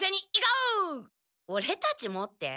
オレたちもって。